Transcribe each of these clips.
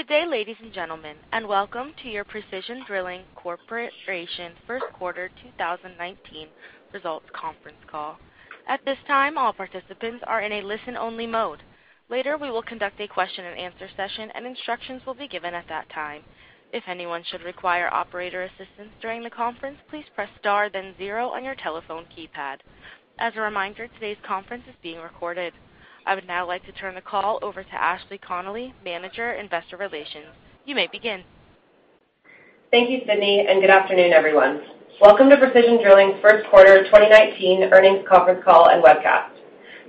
Good day, ladies and gentlemen, welcome to your Precision Drilling Corporation first quarter 2019 results conference call. At this time, all participants are in a listen-only mode. Later, we will conduct a question-and-answer session, and instructions will be given at that time. If anyone should require operator assistance during the conference, please press star then zero on your telephone keypad. As a reminder, today's conference is being recorded. I would now like to turn the call over to Ashley Connolly, Manager, Investor Relations. You may begin. Thank you, Sydney, good afternoon, everyone. Welcome to Precision Drilling's first quarter 2019 earnings conference call and webcast.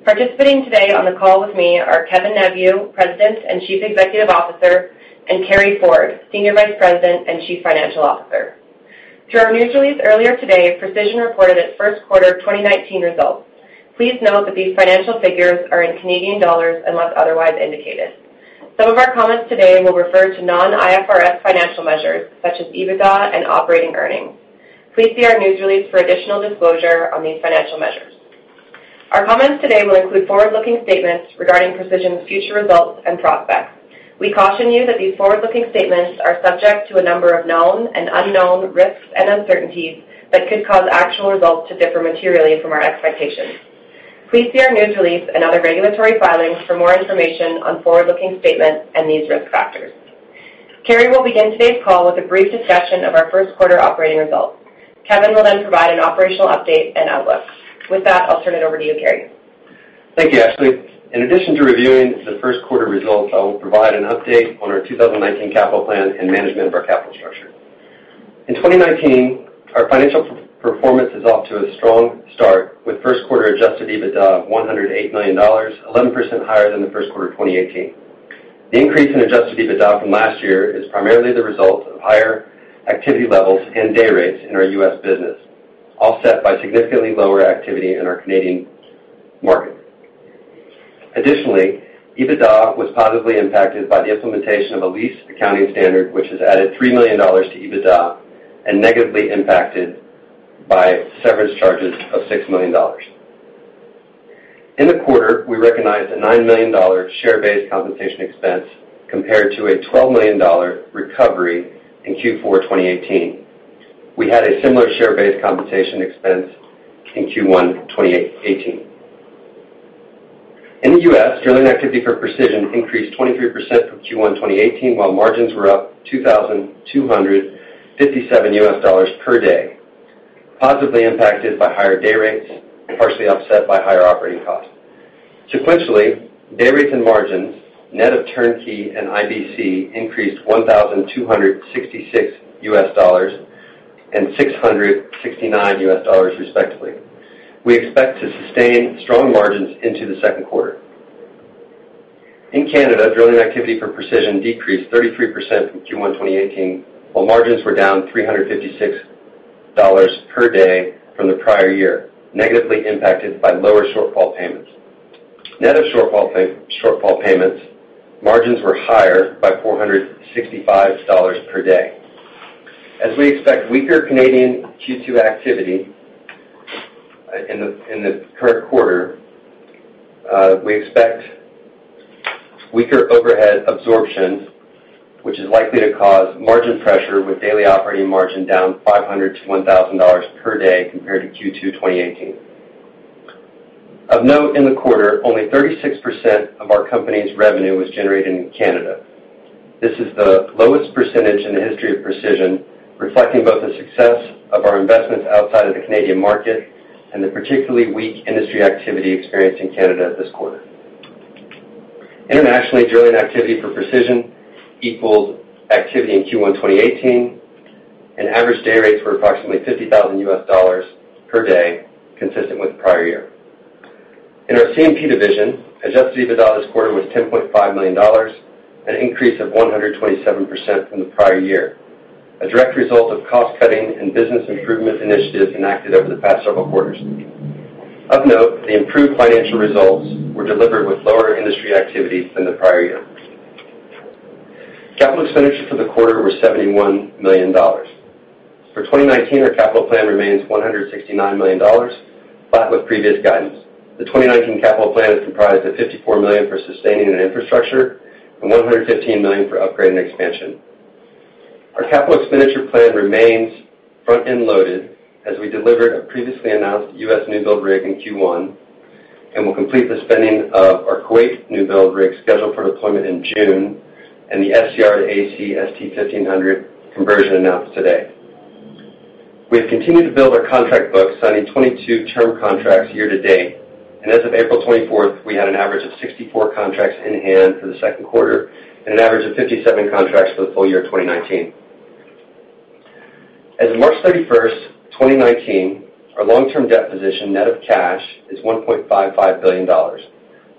Participating today on the call with me are Kevin Neveu, President and Chief Executive Officer, and Carey Ford, Senior Vice President and Chief Financial Officer. Through our news release earlier today, Precision reported its first quarter 2019 results. Please note that these financial figures are in Canadian dollars, unless otherwise indicated. Some of our comments today will refer to non-IFRS financial measures, such as EBITDA and operating earnings. Please see our news release for additional disclosure on these financial measures. Our comments today will include forward-looking statements regarding Precision's future results and prospects. We caution you that these forward-looking statements are subject to a number of known and unknown risks and uncertainties that could cause actual results to differ materially from our expectations. Please see our news release and other regulatory filings for more information on forward-looking statements and these risk factors. Carey will begin today's call with a brief discussion of our first quarter operating results. Kevin will provide an operational update and outlook. With that, I'll turn it over to you, Carey. Thank you, Ashley. In addition to reviewing the first quarter results, I will provide an update on our 2019 capital plan and management of our capital structure. In 2019, our financial performance is off to a strong start with first quarter adjusted EBITDA of 108 million dollars, 11% higher than the first quarter of 2018. The increase in adjusted EBITDA from last year is primarily the result of higher activity levels and day rates in our U.S. business, offset by significantly lower activity in our Canadian market. Additionally, EBITDA was positively impacted by the implementation of a lease accounting standard, which has added 3 million dollars to EBITDA and negatively impacted by severance charges of 6 million dollars. In the quarter, we recognized a 9 million dollar share-based compensation expense, compared to a 12 million dollar recovery in Q4 2018. We had a similar share-based compensation expense in Q1 2018. In the U.S., drilling activity for Precision increased 23% from Q1 2018, while margins were up $2,257 per day, positively impacted by higher day rates, partially offset by higher operating costs. Sequentially, day rates and margins, net of turnkey and IBC increased $1,266 and $669 respectively. We expect to sustain strong margins into the second quarter. In Canada, drilling activity for Precision decreased 33% from Q1 2018, while margins were down 356 dollars per day from the prior year, negatively impacted by lower shortfall payments. Net of shortfall payments, margins were higher by 465 dollars per day. As we expect weaker Canadian Q2 activity in the current quarter, we expect weaker overhead absorption, which is likely to cause margin pressure with daily operating margin down 500-1,000 dollars per day compared to Q2 2018. Of note in the quarter, only 36% of our company's revenue was generated in Canada. This is the lowest percentage in the history of Precision, reflecting both the success of our investments outside of the Canadian market and the particularly weak industry activity experienced in Canada this quarter. Internationally, drilling activity for Precision equaled activity in Q1 2018, and average day rates were approximately $50,000 per day, consistent with prior year. In our C&P division, adjusted EBITDA this quarter was 10.5 million dollars, an increase of 127% from the prior year, a direct result of cost-cutting and business improvement initiatives enacted over the past several quarters. Of note, the improved financial results were delivered with lower industry activity than the prior year. Capital expenditures for the quarter were 71 million dollars. For 2019, our capital plan remains 169 million dollars, flat with previous guidance. The 2019 capital plan is comprised of 54 million for sustaining and infrastructure and 115 million for upgrade and expansion. Our capital expenditure plan remains front-end loaded as we delivered a previously announced U.S. new-build rig in Q1 and will complete the spending of our Kuwait new-build rig scheduled for deployment in June and the SCR to AC ST-1500s conversion announced today. We have continued to build our contract books, signing 22 term contracts year to date, and as of April 24th, we had an average of 64 contracts in hand for the second quarter and an average of 57 contracts for the full year 2019. As of March 31st, 2019, our long-term debt position net of cash is 1.55 billion dollars.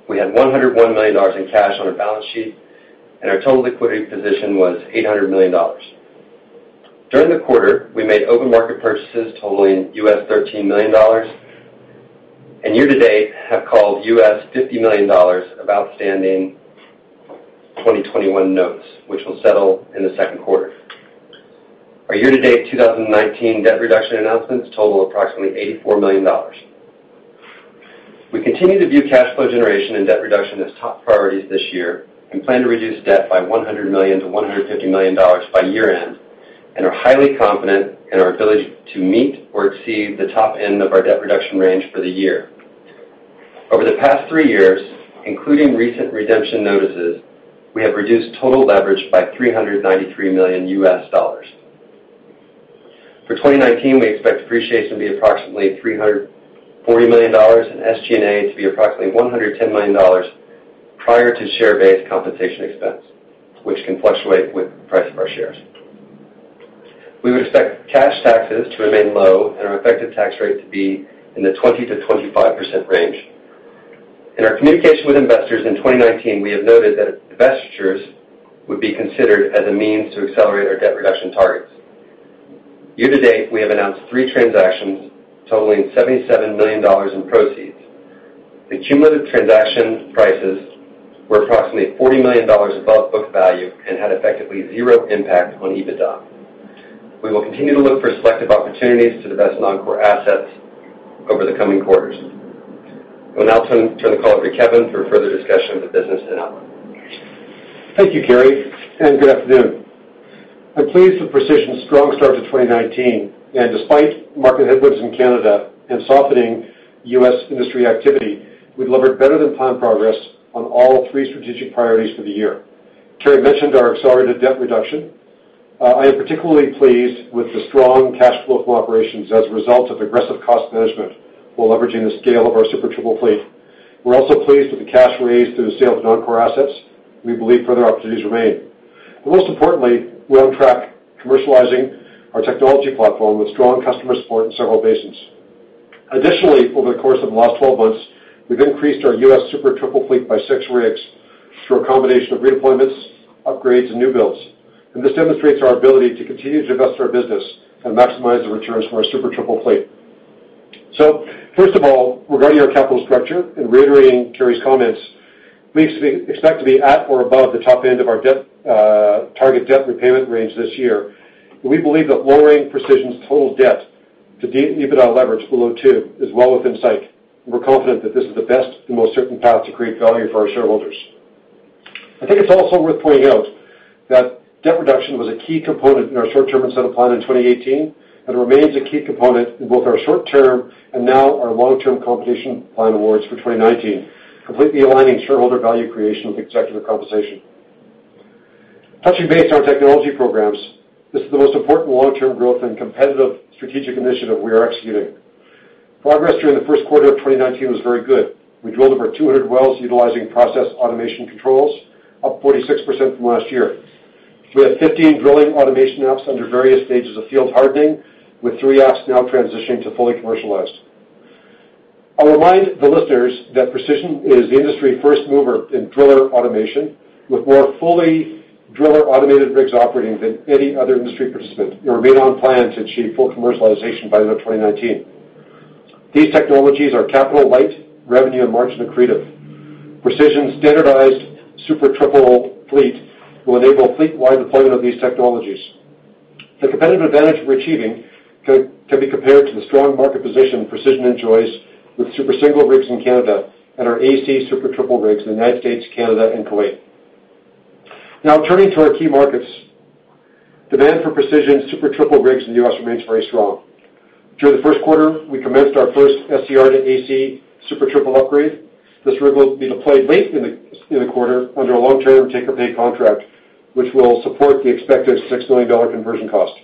We had 101 million dollars in cash on our balance sheet, and our total liquidity position was 800 million dollars. During the quarter, we made open market purchases totaling $13 million, and year to date have called $50 million of outstanding 2021 notes, which will settle in the second quarter. Our year-to-date 2019 debt reduction announcements total approximately 84 million dollars. We continue to view cash flow generation and debt reduction as top priorities this year and plan to reduce debt by 100 million-150 million dollars by year-end, and are highly confident in our ability to meet or exceed the top end of our debt reduction range for the year. Over the past three years, including recent redemption notices, we have reduced total leverage by $393 million. For 2019, we expect depreciation to be approximately 340 million dollars and SG&A to be approximately 110 million dollars prior to share-based compensation expense, which can fluctuate with the price of our shares. We would expect cash taxes to remain low and our effective tax rate to be in the 20%-25% range. In our communication with investors in 2019, we have noted that divestitures would be considered as a means to accelerate our debt reduction targets. Year-to-date, we have announced three transactions totaling 77 million dollars in proceeds. The cumulative transaction prices were approximately 40 million dollars above book value and had effectively zero impact on EBITDA. We will continue to look for selective opportunities to divest non-core assets over the coming quarters. I will now turn the call over to Kevin for further discussion of the business and outlook. Thank you, Cary, and good afternoon. I'm pleased with Precision's strong start to 2019, and despite market headwinds in Canada and softening U.S. industry activity, we've levered better-than-planned progress on all three strategic priorities for the year. Cary mentioned our accelerated debt reduction. I am particularly pleased with the strong cash flow from operations as a result of aggressive cost management while leveraging the scale of our Super Triple fleet. We're also pleased with the cash raised through the sale of non-core assets. We believe further opportunities remain. Most importantly, we're on track commercializing our technology platform with strong customer support in several basins. Additionally, over the course of the last 12 months, we've increased our U.S. Super Triple fleet by six rigs through a combination of redeployments, upgrades, and new builds. This demonstrates our ability to continue to invest our business and maximize the returns for our Super Triple fleet. First of all, regarding our capital structure and reiterating Carey's comments, we expect to be at or above the top end of our target debt repayment range this year. We believe that lowering Precision's total debt to debt EBITDA leverage below two is well within sight. We're confident that this is the best and most certain path to create value for our shareholders. I think it's also worth pointing out that debt reduction was a key component in our short-term incentive plan in 2018, and remains a key component in both our short-term and now our long-term compensation plan awards for 2019, completely aligning shareholder value creation with executive compensation. Touching base on technology programs, this is the most important long-term growth and competitive strategic initiative we are executing. Progress during the first quarter of 2019 was very good. We drilled over 200 wells utilizing process automation controls, up 46% from last year. We have 15 drilling automation apps under various stages of field hardening, with three apps now transitioning to fully commercialized. I'll remind the listeners that Precision is the industry first mover in driller automation, with more fully driller automated rigs operating than any other industry participant and remain on plan to achieve full commercialization by the end of 2019. These technologies are capital light, revenue and margin accretive. Precision's standardized Super Triple fleet will enable fleet-wide deployment of these technologies. The competitive advantage we're achieving can be compared to the strong market position Precision enjoys with Super Single rigs in Canada and our AC Super Triple rigs in the U.S., Canada, and Kuwait. Turning to our key markets, demand for Precision Super Triple rigs in the U.S. remains very strong. During the first quarter, we commenced our first SCR to AC Super Triple upgrade. This rig will be deployed late in the quarter under a long-term take or pay contract, which will support the expected 6 million dollar conversion cost.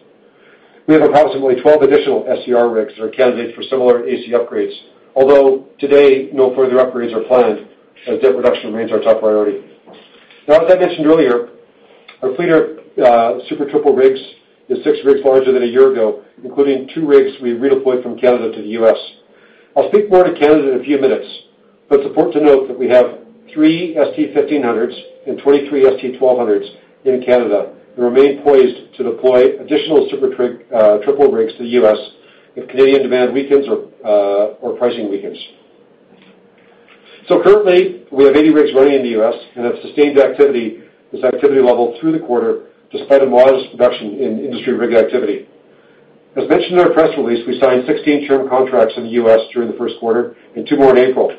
We have approximately 12 additional SCR rigs that are candidates for similar AC upgrades. Today, no further upgrades are planned, as debt reduction remains our top priority. As I mentioned earlier, our fleet of Super Triple rigs is six rigs larger than a year ago, including two rigs we redeployed from Canada to the U.S. I'll speak more to Canada in a few minutes. It's important to note that we have three ST 1500s and 23 ST-1200s in Canada and remain poised to deploy additional Super Triple rigs to the U.S. if Canadian demand weakens or pricing weakens. Currently, we have 80 rigs running in the U.S. and have sustained this activity level through the quarter despite a modest reduction in industry rig activity. As mentioned in our press release, we signed 16 term contracts in the U.S. during the first quarter and two more in April,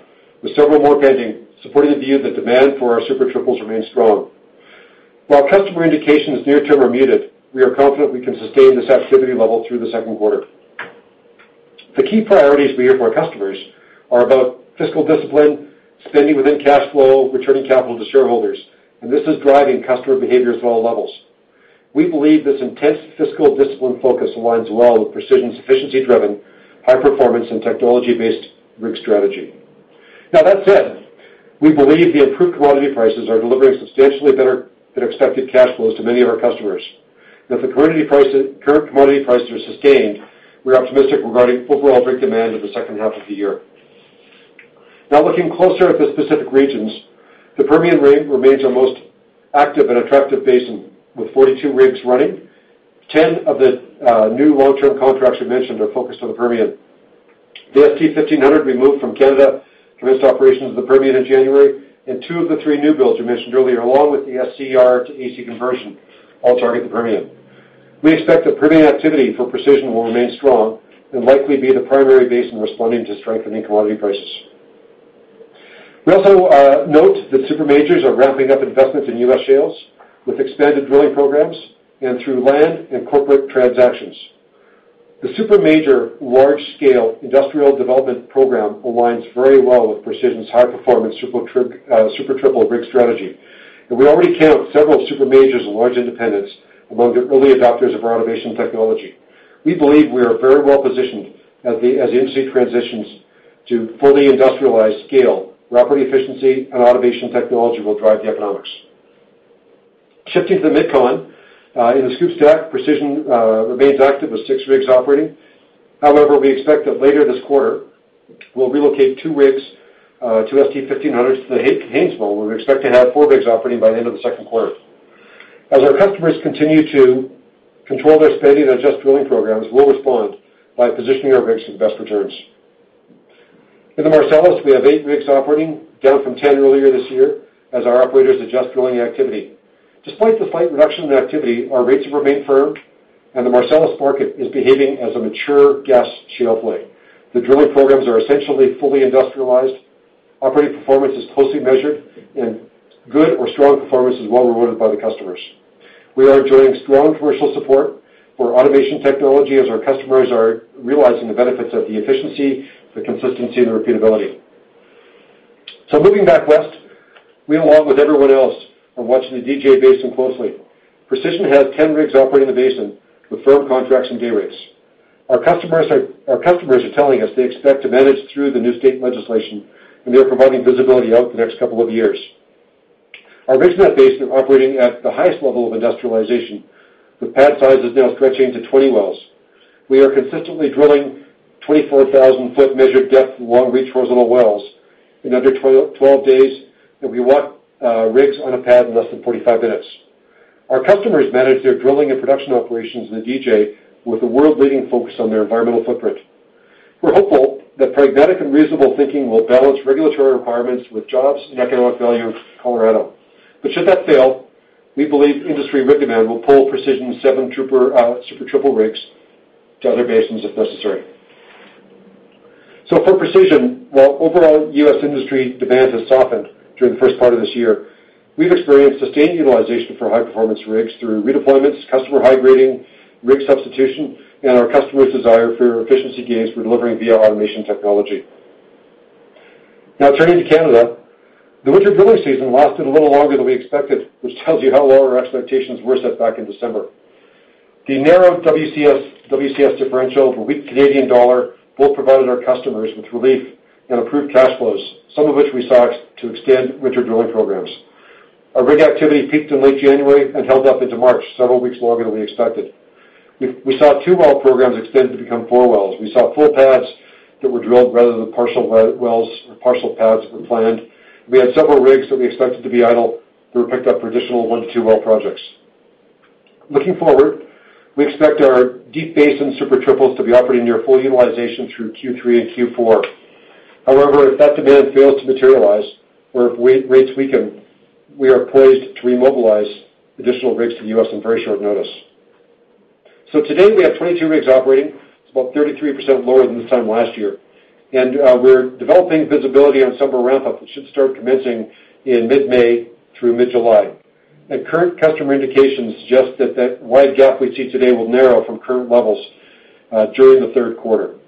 with several more pending, supporting the view that demand for our Super Triples remains strong. While customer indications near term are muted, we are confident we can sustain this activity level through the second quarter. The key priorities we hear from our customers are about fiscal discipline, spending within cash flow, returning capital to shareholders. This is driving customer behaviors at all levels. We believe this intense fiscal discipline focus aligns well with Precision's efficiency-driven, high-performance, and technology-based rig strategy. That said, we believe the improved commodity prices are delivering substantially better than expected cash flows to many of our customers. If the current commodity prices are sustained, we're optimistic regarding overall rig demand in the second half of the year. Looking closer at the specific regions, the Permian remains our most active and attractive basin, with 42 rigs running. 10 of the new long-term contracts we mentioned are focused on the Permian. The ST 1500 we moved from Canada commenced operations in the Permian in January. Two of the three new builds we mentioned earlier, along with the SCR to AC conversion, all target the Permian. We expect the permitting activity for Precision will remain strong and likely be the primary base in responding to strengthening commodity prices. We also note that super majors are ramping up investments in U.S. shales with expanded drilling programs and through land and corporate transactions. The super major large-scale industrial development program aligns very well with Precision's high-performance Super Triple rig strategy. We already count several super majors and large independents among the early adopters of our automation technology. We believe we are very well positioned as the industry transitions to fully industrialized scale. Property efficiency and automation technology will drive the economics. Shifting to the MidCon, in the SCOOP/STACK, Precision remains active with six rigs operating. We expect that later this quarter, we'll relocate two rigs, two ST-1500s to the Haynesville, where we expect to have four rigs operating by the end of the second quarter. As our customers continue to control their spending and adjust drilling programs, we'll respond by positioning our rigs for the best returns. In the Marcellus, we have eight rigs operating, down from 10 earlier this year, as our operators adjust drilling activity. Despite the slight reduction in activity, our rates have remained firm, and the Marcellus market is behaving as a mature gas shale play. The drilling programs are essentially fully industrialized. Operating performance is closely measured, and good or strong performance is well rewarded by the customers. We are enjoying strong commercial support for automation technology as our customers are realizing the benefits of the efficiency, the consistency, and the repeatability. Moving back west, we, along with everyone else, are watching the DJ Basin closely. Precision has 10 rigs operating in the basin with firm contracts and day rates. Our customers are telling us they expect to manage through the new state legislation, and they are providing visibility out for the next couple of years. Our rigs in that basin are operating at the highest level of industrialization, with pad sizes now stretching to 20 wells. We are consistently drilling 24,000-foot measured depth, long reach, horizontal wells in under 12 days, and we walk rigs on a pad in less than 45 minutes. Our customers manage their drilling and production operations in the DJ with a world-leading focus on their environmental footprint. We're hopeful that pragmatic and reasonable thinking will balance regulatory requirements with jobs and economic value for Colorado. Should that fail, we believe industry rig demand will pull Precision's seven Super Triple rigs to other basins if necessary. For Precision, while overall U.S. industry demand has softened during the first part of this year, we've experienced sustained utilization for high-performance rigs through redeployments, customer high grading, rig substitution, and our customers' desire for efficiency gains we're delivering via automation technology. Now turning to Canada. The winter drilling season lasted a little longer than we expected, which tells you how low our expectations were set back in December. The narrowed WCS differential and the weak Canadian dollar both provided our customers with relief and improved cash flows, some of which we saw to extend winter drilling programs. Our rig activity peaked in late January and held up into March, several weeks longer than we expected. We saw two well programs extend to become four wells. We saw full pads that were drilled rather than partial wells or partial pads that were planned. We had several rigs that we expected to be idle, that were picked up for additional one to two well projects. Looking forward, we expect our deep basin Super Triples to be operating near full utilization through Q3 and Q4. However, if that demand fails to materialize or if rates weaken, we are poised to remobilize additional rigs to the U.S. on very short notice. Today, we have 22 rigs operating. It's about 33% lower than this time last year. We're developing visibility on summer ramp-up, which should start commencing in mid-May through mid-July. Current customer indications suggest that that wide gap we see today will narrow from current levels during the third quarter.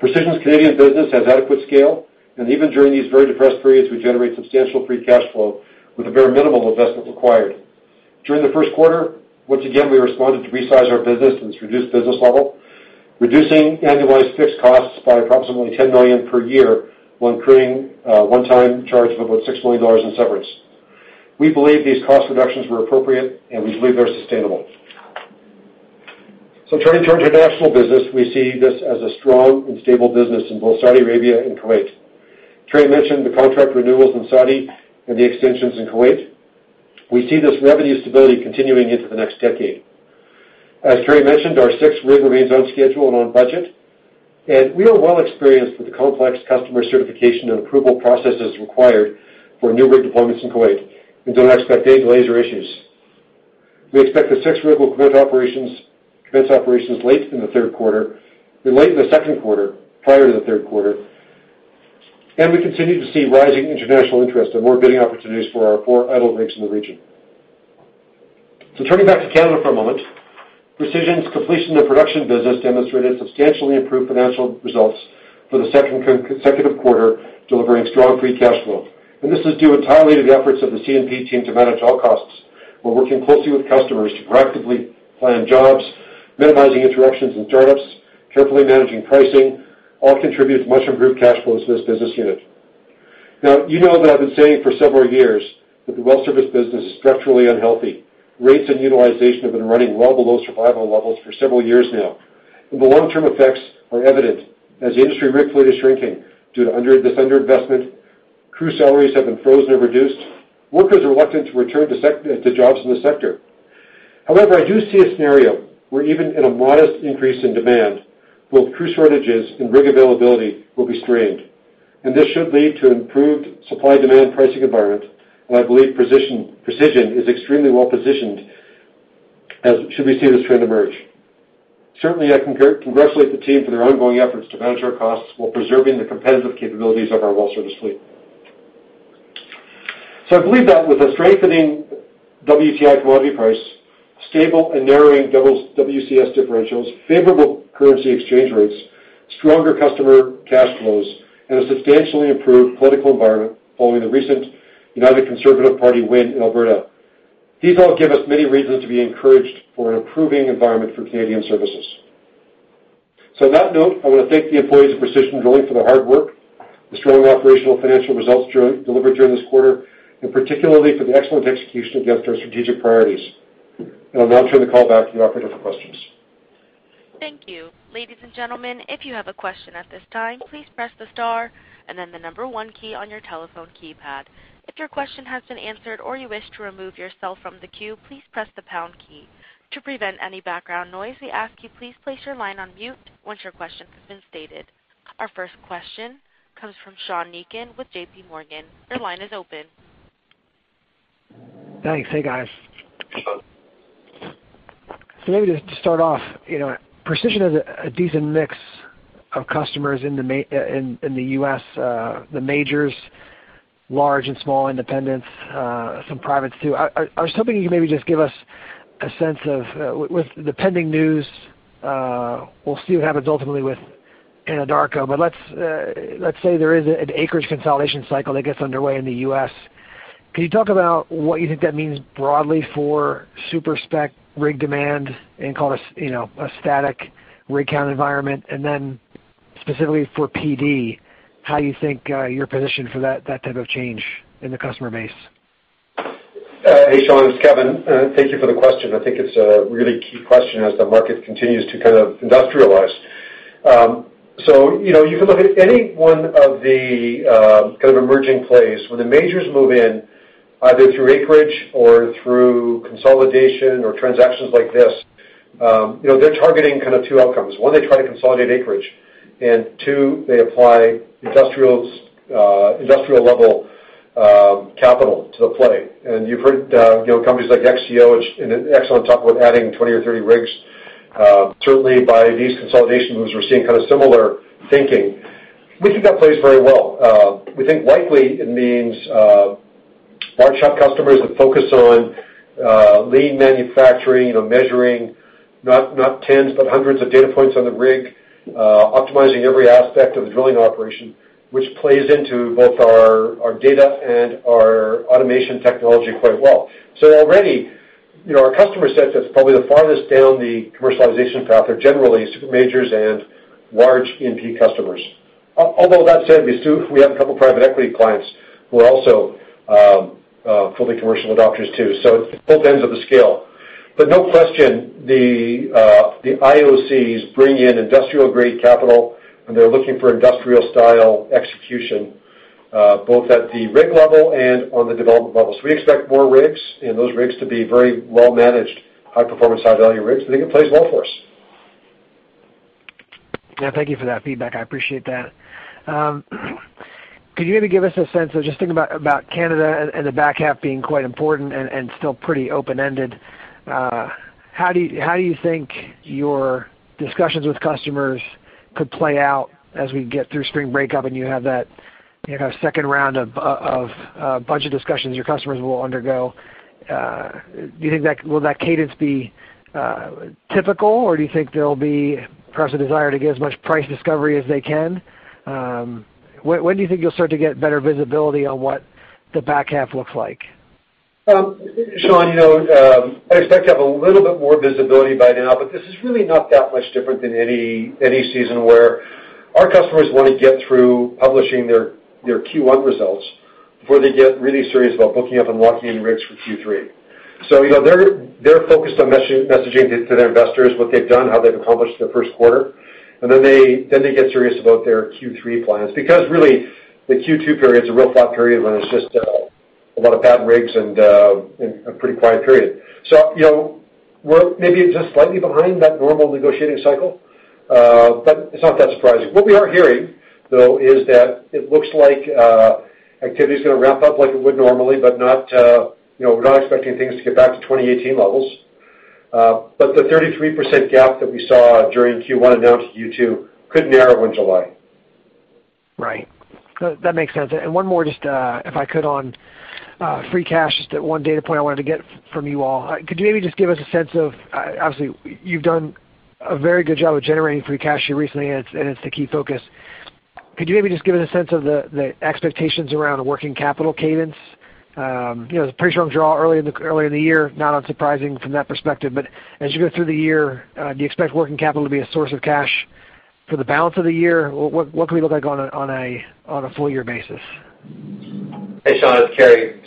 Precision's Canadian business has adequate scale, and even during these very depressed periods, we generate substantial free cash flow with a very minimal investment required. During the first quarter, once again, we responded to resize our business in this reduced business level, reducing annualized fixed costs by approximately 10 million per year when creating a one-time charge of about 6 million dollars in severance. We believe these cost reductions were appropriate, and we believe they're sustainable. Turning to our international business, we see this as a strong and stable business in both Saudi Arabia and Kuwait. Carey mentioned the contract renewals in Saudi and the extensions in Kuwait. We see this revenue stability continuing into the next decade. As Carey mentioned, our sixth rig remains on schedule and on budget, and we are well experienced with the complex customer certification and approval processes required for new rig deployments in Kuwait and don't expect any delays or issues. We expect the sixth rig will commence operations late in the second quarter, prior to the third quarter, and we continue to see rising international interest and more bidding opportunities for our four idle rigs in the region. Turning back to Canada for a moment, Precision's Completion and Production Services business demonstrated substantially improved financial results for the second consecutive quarter, delivering strong free cash flow. This is due entirely to the efforts of the C&P team to manage all costs. We're working closely with customers to proactively plan jobs, minimizing interactions and startups, carefully managing pricing, all contribute to much improved cash flows to this business unit. You know that I've been saying for several years that the well service business is structurally unhealthy. Rates and utilization have been running well below survival levels for several years now. The long-term effects are evident as the industry rig fleet is shrinking due to this under-investment. Crew salaries have been frozen or reduced. Workers are reluctant to return to jobs in the sector. However, I do see a scenario where even in a modest increase in demand, both crew shortages and rig availability will be strained. This should lead to improved supply-demand pricing environment, and I believe Precision is extremely well-positioned should we see this trend emerge. Certainly, I congratulate the team for their ongoing efforts to manage our costs while preserving the competitive capabilities of our well service fleet. I believe that with a strengthening WTI commodity price, stable and narrowing WCS differentials, favorable currency exchange rates, stronger customer cash flows, and a substantially improved political environment following the recent United Conservative Party win in Alberta. These all give us many reasons to be encouraged for an improving environment for Canadian services. On that note, I want to thank the employees of Precision Drilling for their hard work, the strong operational financial results delivered during this quarter, and particularly for the excellent execution against our strategic priorities. I'll now turn the call back to the operator for questions. Thank you. Ladies and gentlemen, if you have a question at this time, please press the star and then the number one key on your telephone keypad. If your question has been answered or you wish to remove yourself from the queue, please press the pound key. To prevent any background noise, we ask you please place your line on mute once your question has been stated. Our first question comes from Sean Meakim with J.P. Morgan. Your line is open. Thanks. Hey, guys. Hello. Maybe just to start off, Precision has a decent mix of customers in the U.S., the majors, large and small independents, some privates too. I was hoping you could maybe just give us a sense of, with the pending news, we'll see what happens ultimately with Anadarko. Let's say there is an acreage consolidation cycle that gets underway in the U.S. Can you talk about what you think that means broadly for super spec rig demand in, call it, a static rig count environment, and then specifically for PD, how you think you're positioned for that type of change in the customer base? Hey, Sean, it's Kevin. Thank you for the question. I think it's a really key question as the market continues to kind of industrialize. You can look at any one of the kind of emerging plays. When the majors move in, either through acreage or through consolidation or transactions like this, they're targeting two outcomes. One, they try to consolidate acreage, and two, they apply industrial-level capital to the play. You've heard companies like XTO talk about adding 20 or 30 rigs. Certainly, by these consolidation moves, we're seeing kind of similar thinking. We think that plays very well. We think likely it means large shop customers that focus on lean manufacturing, measuring not tens, but hundreds of data points on the rig, optimizing every aspect of the drilling operation, which plays into both our data and our automation technology quite well. Already, our customer set that's probably the farthest down the commercialization path are generally super majors and large E&P customers. Although that said, we have a couple of private equity clients who are also fully commercial adopters too. It's both ends of the scale. No question, the IOCs bring in industrial-grade capital, and they're looking for industrial-style execution both at the rig level and on the development level. We expect more rigs and those rigs to be very well managed, high performance, high value rigs. I think it plays well for us. Yeah, thank you for that feedback. I appreciate that. Could you maybe give us a sense of, just thinking about Canada and the back half being quite important and still pretty open-ended, how do you think your discussions with customers could play out as we get through spring break up and you have that second round of budget discussions your customers will undergo? Do you think will that cadence be typical, or do you think there'll be perhaps a desire to get as much price discovery as they can? When do you think you'll start to get better visibility on what the back half looks like? Sean, I expect to have a little bit more visibility by now, this is really not that much different than any season where our customers want to get through publishing their Q1 results before they get really serious about booking up and locking in rigs for Q3. They're focused on messaging to their investors what they've done, how they've accomplished their first quarter, and then they get serious about their Q3 plans. Really, the Q2 period's a real flat period when it's just a lot of pad rigs and a pretty quiet period. We're maybe just slightly behind that normal negotiating cycle, but it's not that surprising. What we are hearing, though, is that it looks like activity's going to ramp up like it would normally, but we're not expecting things to get back to 2018 levels. The 33% gap that we saw during Q1 and now into Q2 could narrow in July. Right. That makes sense. One more, just if I could, on free cash, just that one data point I wanted to get from you all. Could you maybe just give us a sense of obviously, you've done a very good job of generating free cash here recently, and it's the key focus. Could you maybe just give us a sense of the expectations around working capital cadence? Pretty strong draw early in the year, not unsurprising from that perspective, but as you go through the year, do you expect working capital to be a source of cash for the balance of the year? What can we look like on a full-year basis? Hey, Sean, it's Carey.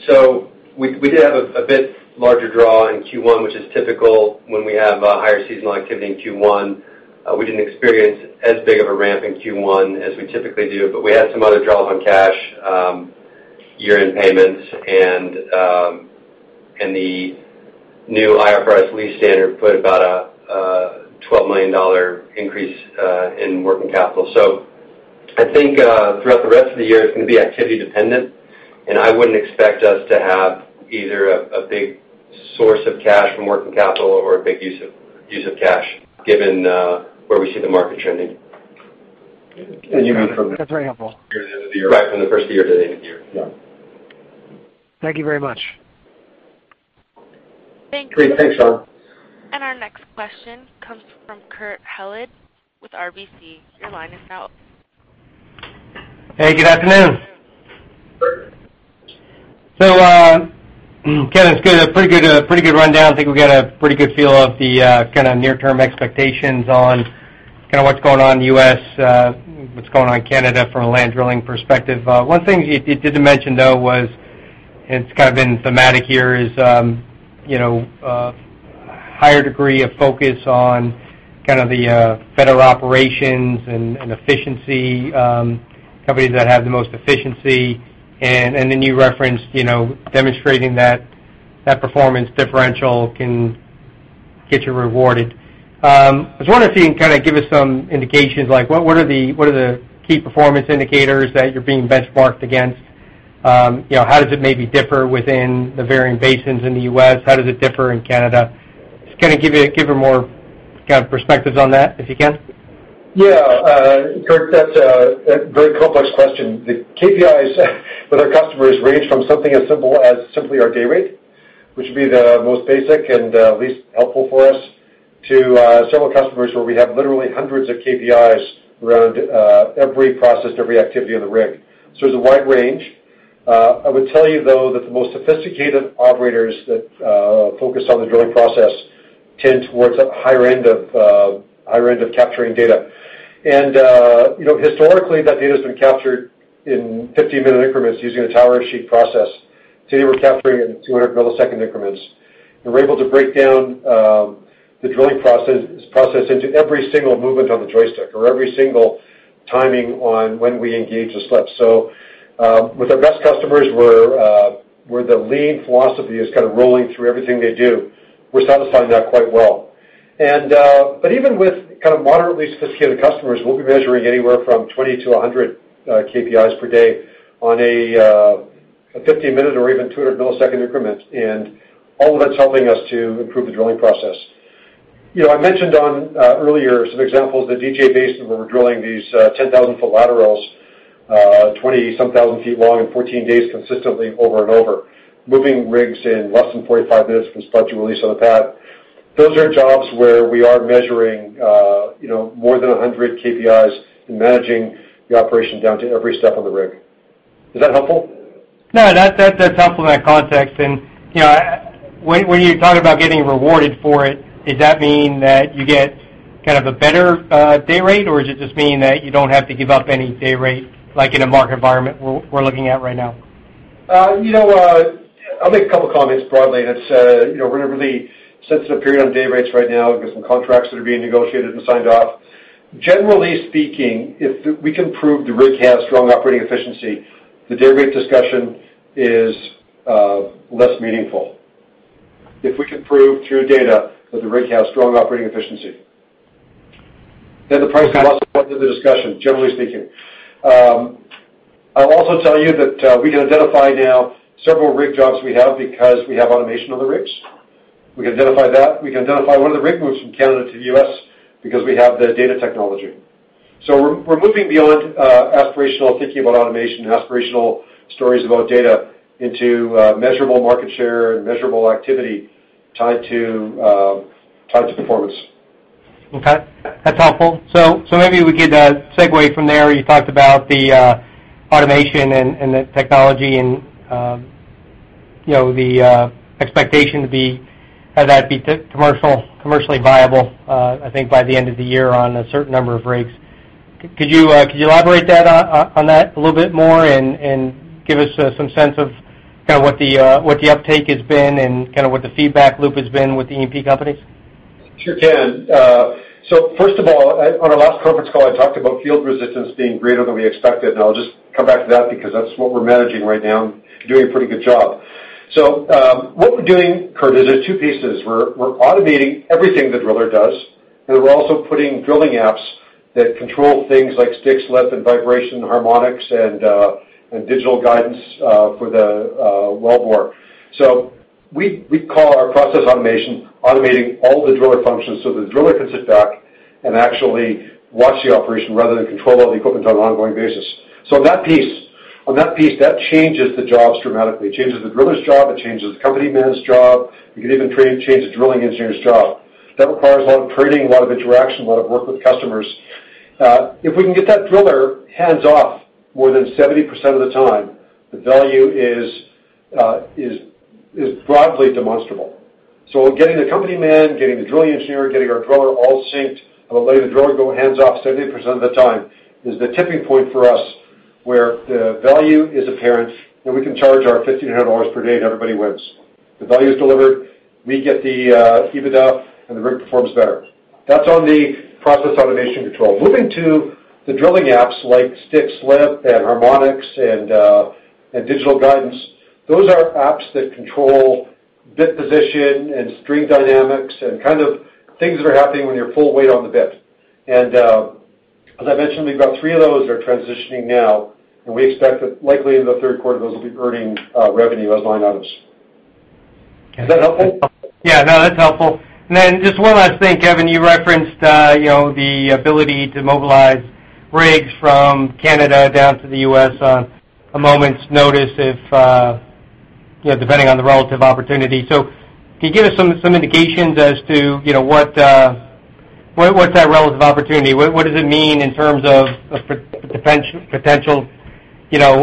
We did have a bit larger draw in Q1, which is typical when we have higher seasonal activity in Q1. We didn't experience as big of a ramp in Q1 as we typically do, but we had some other draws on cash, year-end payments, and the new IFRS lease standard put about a 12 million dollar increase in working capital. I think throughout the rest of the year, it's going to be activity dependent, and I wouldn't expect us to have either a big source of cash from working capital or a big use of cash, given where we see the market trending. You mean. That's very helpful. From the end of the year? Right. From the first of the year to the end of the year. Yeah. Thank you very much. Thank you. Great. Thanks, Sean. Our next question comes from Kurt Hallead with RBC. Your line is out. Hey, good afternoon. Kurt. Kevin, it's good. A pretty good rundown. I think we got a pretty good feel of the near-term expectations on what's going on in the U.S., what's going on in Canada from a land drilling perspective. One thing you didn't mention, though, was, it's been thematic here, is a higher degree of focus on the better operations and efficiency, companies that have the most efficiency. You referenced demonstrating that that performance differential can get you rewarded. I was wondering if you can give us some indications, like what are the key performance indicators that you're being benchmarked against? How does it maybe differ within the varying basins in the U.S.? How does it differ in Canada? Just give more perspectives on that, if you can. Yeah. Kurt, that's a very complex question. The KPIs with our customers range from something as simple as simply our day rate, which would be the most basic and least helpful for us, to several customers where we have literally hundreds of KPIs around every process, every activity on the rig. There's a wide range. I would tell you, though, that the most sophisticated operators that focus on the drilling process tend towards the higher end of capturing data. Historically, that data's been captured in 15-minute increments using a tower sheet process. Today, we're capturing it in 200-millisecond increments, and we're able to break down the drilling process into every single movement on the joystick or every single timing on when we engage a slip. With our best customers, where the lean philosophy is rolling through everything they do, we're satisfying that quite well. Even with moderately sophisticated customers, we'll be measuring anywhere from 20 to 100 KPIs per day on a 15-minute or even 200-millisecond increment, and all of that's helping us to improve the drilling process. I mentioned on earlier some examples, the DJ Basin, where we're drilling these 10,000-foot laterals, 20-some thousand feet long in 14 days, consistently over and over. Moving rigs in less than 45 minutes from spud to release on the pad. Those are jobs where we are measuring more than 100 KPIs and managing the operation down to every step of the rig. Is that helpful? No, that's helpful in that context. When you talk about getting rewarded for it, does that mean that you get a better day rate, or does it just mean that you don't have to give up any day rate, like in a market environment we're looking at right now? I'll make a couple of comments broadly. We're in a really sensitive period on day rates right now. We've got some contracts that are being negotiated and signed off. Generally speaking, if we can prove the rig has strong operating efficiency, the day rate discussion is less meaningful. If we can prove through data that the rig has strong operating efficiency, then the price is less important to the discussion, generally speaking. I'll also tell you that we can identify now several rig jobs we have because we have automation on the rigs. We can identify that. We can identify one of the rig moves from Canada to the U.S. because we have the data technology. We're moving beyond aspirational thinking about automation and aspirational stories about data into measurable market share and measurable activity tied to performance. Okay. That's helpful. Maybe we could segue from there. You talked about the automation and the technology and the expectation to be commercially viable, I think by the end of the year on a certain number of rigs. Could you elaborate on that a little bit more and give us some sense of what the uptake has been and what the feedback loop has been with the E&P companies? Sure can. First of all, on our last conference call, I talked about field resistance being greater than we expected, and I'll just come back to that because that's what we're managing right now and doing a pretty good job. What we're doing, Kurt, is there's two pieces. We're automating everything the driller does, and we're also putting drilling apps that control things like sticks, slip, and vibration, harmonics, and digital guidance for the wellbore. We call our process automation, automating all the driller functions so the driller can sit back and actually watch the operation rather than control all the equipment on an ongoing basis. On that piece, that changes the jobs dramatically. It changes the driller's job, it changes the company man's job. We can even change the drilling engineer's job. That requires a lot of training, a lot of interaction, a lot of work with customers. If we can get that driller hands-off more than 70% of the time, the value is broadly demonstrable. Getting the company man, getting the drilling engineer, getting our driller all synced, and we'll let the driller go hands off 70% of the time, is the tipping point for us, where the value is apparent that we can charge our 1,500 dollars per day and everybody wins. The value is delivered, we get the EBITDA, and the rig performs better. That's on the process automation control. Moving to the drilling apps like stick slip and harmonics and digital guidance. Those are apps that control bit position and string dynamics and things that are happening when you're full weight on the bit. As I mentioned, we've got three of those that are transitioning now, and we expect that likely in the third quarter, those will be earning revenue as line items. Is that helpful? Yeah, no, that's helpful. Just one last thing, Kevin. You referenced the ability to mobilize rigs from Canada down to the U.S. on a moment's notice depending on the relative opportunity. Can you give us some indications as to what's that relative opportunity? What does it mean in terms of potential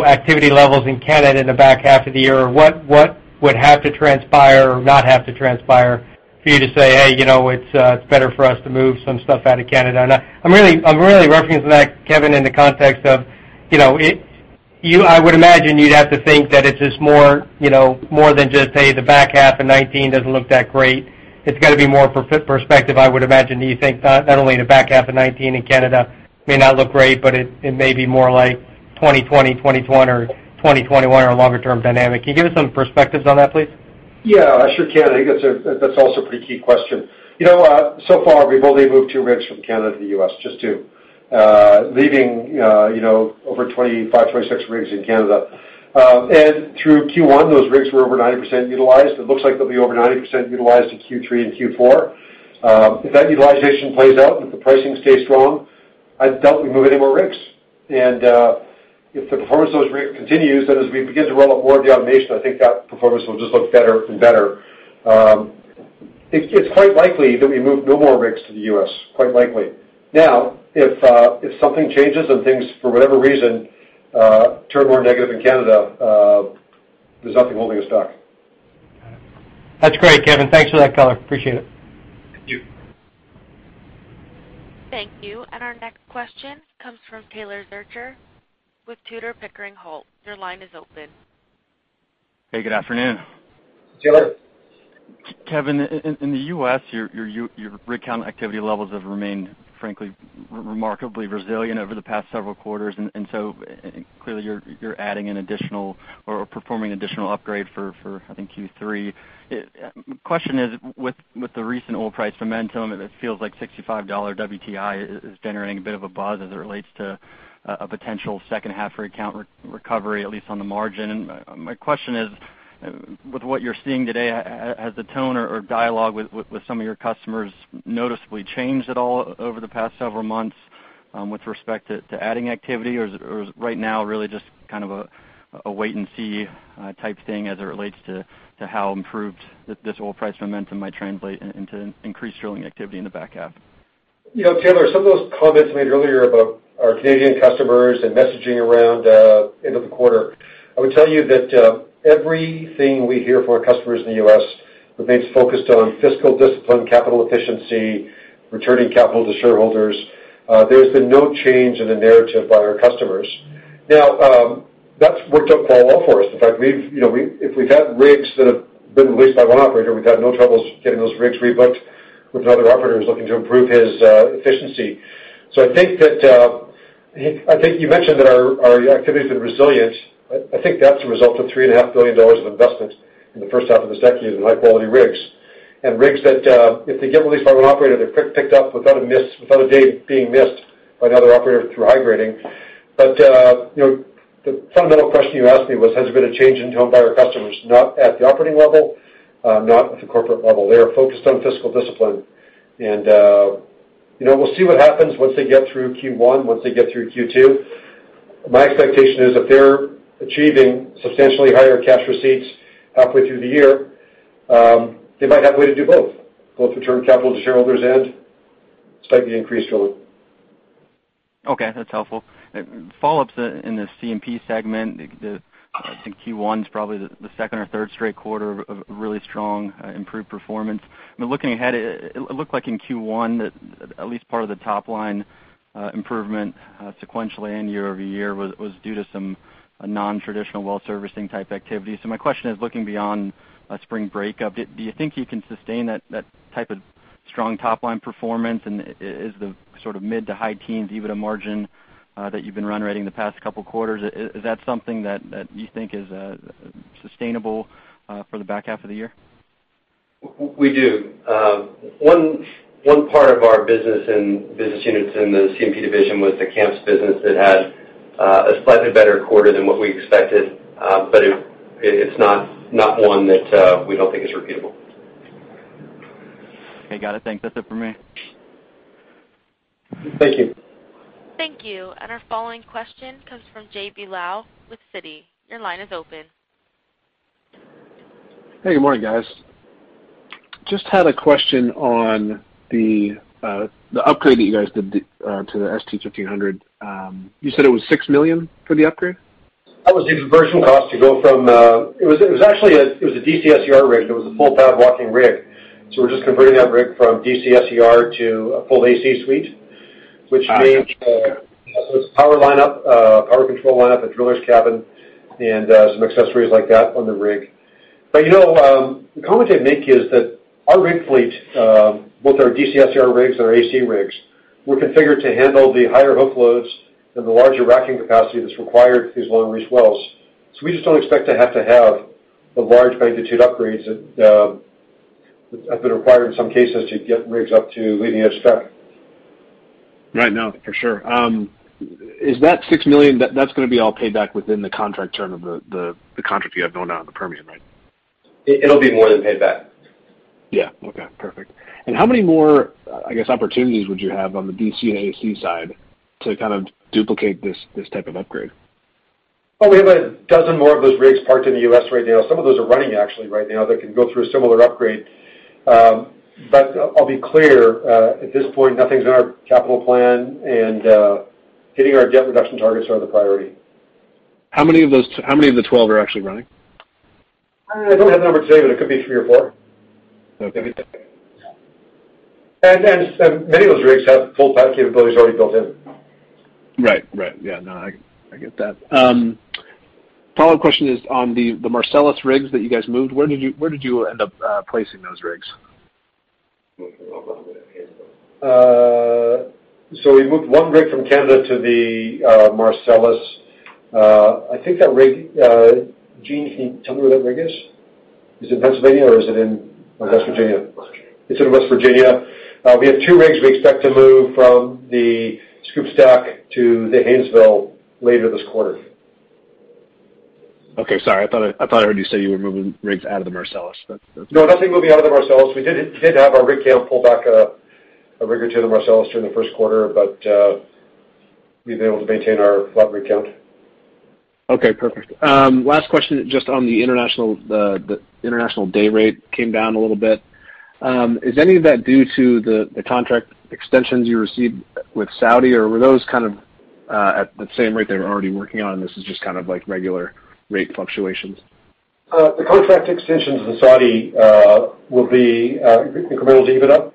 activity levels in Canada in the back half of the year? What would have to transpire or not have to transpire for you to say, "Hey, it's better for us to move some stuff out of Canada"? I'm really referencing that, Kevin, in the context of, I would imagine you'd have to think that it's just more than just, hey, the back half of 2019 doesn't look that great. It's got to be more perspective, I would imagine, do you think, not only the back half of 2019 in Canada may not look great, but it may be more like 2020, 2021, or 2021 or longer-term dynamic. Can you give us some perspectives on that, please? Yeah. I sure can. I think that's also a pretty key question. So far we've only moved two rigs from Canada to the U.S., just two, leaving over 25, 26 rigs in Canada. Through Q1, those rigs were over 90% utilized. It looks like they'll be over 90% utilized in Q3 and Q4. If that utilization plays out and if the pricing stays strong, I doubt we move any more rigs. If the performance of those rigs continues, then as we begin to roll up more of the automation, I think that performance will just look better and better. It's quite likely that we move no more rigs to the U.S. Quite likely. If something changes and things, for whatever reason, turn more negative in Canada, there's nothing holding us back. Got it. That's great, Kevin. Thanks for that color. Appreciate it. Thank you. Thank you. Our next question comes from Taylor Zurcher with Tudor, Pickering, Holt & Co. Your line is open. Hey, good afternoon. Taylor. Kevin, in the U.S., your rig count activity levels have remained, frankly, remarkably resilient over the past several quarters, and so clearly you're adding an additional or performing additional upgrade for, I think, Q3. Question is, with the recent oil price momentum, it feels like $65 WTI is generating a bit of a buzz as it relates to a potential second half rig count recovery, at least on the margin. My question is, with what you're seeing today, has the tone or dialogue with some of your customers noticeably changed at all over the past several months with respect to adding activity? Or is it right now really just kind of a wait-and-see type thing as it relates to how improved this oil price momentum might translate into increased drilling activity in the back half? Taylor, some of those comments made earlier about our Canadian customers and messaging around end of the quarter, I would tell you that everything we hear from our customers in the U.S. remains focused on fiscal discipline, capital efficiency, returning capital to shareholders. There has been no change in the narrative by our customers. That has worked out quite well for us. In fact, if we have had rigs that have been released by one operator, we have had no troubles getting those rigs rebooked with another operator who is looking to improve his efficiency. I think you mentioned that our activity has been resilient. I think that is a result of 3.5 billion dollars of investment in the first half of this decade in high-quality rigs, and rigs that, if they get released by one operator, they are picked up without a day being missed by another operator through high grading. The fundamental question you asked me was, has there been a change in tone by our customers? Not at the operating level, not at the corporate level. They are focused on fiscal discipline. We will see what happens once they get through Q1, once they get through Q2. My expectation is if they are achieving substantially higher cash receipts halfway through the year, they might have a way to do both return capital to shareholders and slightly increase drilling. Okay. That is helpful. Follow-up in the C&P segment, I think Q1 is probably the second or third straight quarter of really strong improved performance. Looking ahead, it looked like in Q1 that at least part of the top-line improvement sequentially and year-over-year was due to some non-traditional well servicing type activity. My question is, looking beyond spring break, do you think you can sustain that type of strong top-line performance? And is the sort of mid to high teens EBITDA margin that you have been run rating the past couple quarters, is that something that you think is sustainable for the back half of the year? We do. One part of our business units in the C&P division was the camps business that had a slightly better quarter than what we expected. It is not one that we do not think is repeatable. Okay. Got it. Thanks. That's it for me. Thank you. Thank you. Our following question comes from J.B. Lowe with Citi. Your line is open. Hey, good morning, guys. Just had a question on the upgrade that you guys did to the ST-1500. You said it was 6 million for the upgrade? That was the conversion cost. It was a DC SCR rig that was a full pad walking rig. We're just converting that rig from DC SCR to a full AC suite, which means a power control lineup, a driller's cabin, and some accessories like that on the rig. The comment I'd make is that our rig fleet, both our DC SCR rigs and our AC rigs, were configured to handle the higher hook loads and the larger racking capacity that's required for these long reach wells. We just don't expect to have to have the large magnitude upgrades that have been required in some cases to get rigs up to leading edge spec. Right. No, for sure. Is that 6 million, that's going to be all paid back within the contract term of the contract you have going on in the Permian, right? It'll be more than paid back. Yeah. Okay, perfect. How many more, I guess, opportunities would you have on the DC and AC side to kind of duplicate this type of upgrade? Well, we have 12 more of those rigs parked in the U.S. right now. Some of those are running actually right now that can go through a similar upgrade. I'll be clear, at this point, nothing's in our capital plan and hitting our debt reduction targets are the priority. How many of the 12 are actually running? I don't have the number today, but it could be three or four. Okay. Many of those rigs have full PAC capabilities already built in. Right. Yeah. No, I get that. Follow-up question is on the Marcellus rigs that you guys moved. Where did you end up placing those rigs? We moved one rig from Canada to the Marcellus. Gene, can you tell me where that rig is? Is it Pennsylvania or is it in West Virginia? West Virginia. It's in West Virginia. We have two rigs we expect to move from the SCOOP/STACK to the Haynesville later this quarter. Okay, sorry. I thought I heard you say you were moving rigs out of the Marcellus. No, nothing moving out of the Marcellus. We did have our rig count pull back a rig or two in the Marcellus during the first quarter, but we've been able to maintain our flat rig count. Okay, perfect. Last question, just on the international, the international day rate came down a little bit. Is any of that due to the contract extensions you received with Saudi, or were those kind of at the same rate they were already working on, and this is just kind of regular rate fluctuations? The contract extensions with Saudi will be incremental to EBITDA.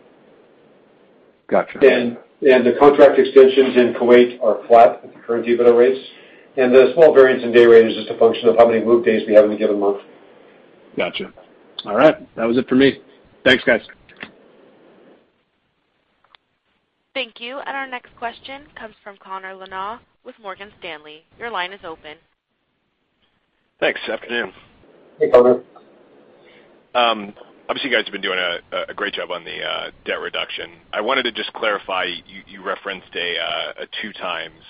Got you. The contract extensions in Kuwait are flat at the current EBITDA rates. The small variance in day rate is just a function of how many move days we have in a given month. Got you. All right. That was it for me. Thanks, guys. Thank you. Our next question comes from Connor Lynagh with Morgan Stanley. Your line is open. Thanks. Afternoon. Hey, Connor. Obviously, you guys have been doing a great job on the debt reduction. I wanted to just clarify, you referenced a two times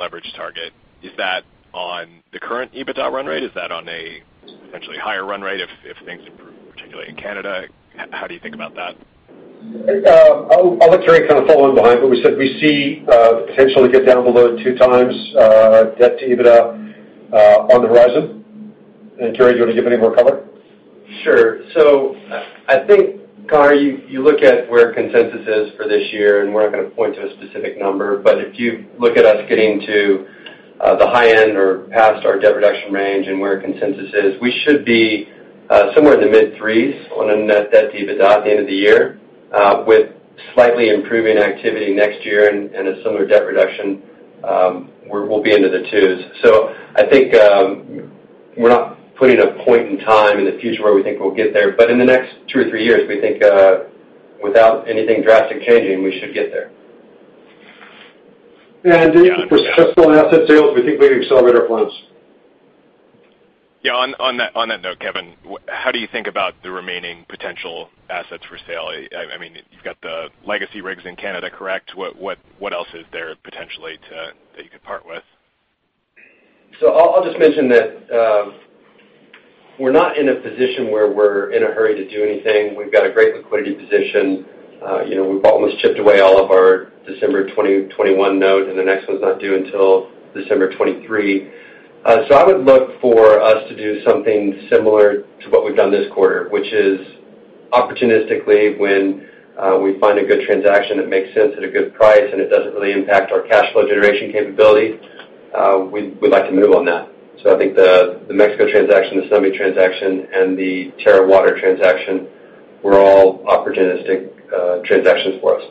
leverage target. Is that on the current EBITDA run rate? Is that on a potentially higher run rate if things improve, particularly in Canada? How do you think about that? I'll let Carey kind of follow in behind, but we said we see the potential to get down below two times debt to EBITDA on the horizon. Carey, do you want to give any more color? Sure. I think, Connor, you look at where consensus is for this year, and we're not going to point to a specific number, but if you look at us getting to the high end or past our debt reduction range and where consensus is, we should be somewhere in the mid 3s on a net debt to EBITDA at the end of the year. With slightly improving activity next year and a similar debt reduction, we'll be into the 2s. I think we're not putting a point in time in the future where we think we'll get there, but in the next two or three years, we think without anything drastic changing, we should get there. With successful asset sales, we think we can accelerate our plans. Yeah. On that note, Kevin, how do you think about the remaining potential assets for sale? You've got the legacy rigs in Canada, correct? What else is there potentially that you could part with? I'll just mention that we're not in a position where we're in a hurry to do anything. We've got a great liquidity position. We've almost chipped away all of our December 2021 note, and the next one's not due until December 2023. I would look for us to do something similar to what we've done this quarter, which is opportunistically, when we find a good transaction that makes sense at a good price and it doesn't really impact our cash flow generation capability, we'd like to move on that. I think the Mexico transaction, the Service Line transaction., and the Terra Water transaction were all opportunistic transactions for us.